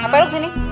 ngapain lu disini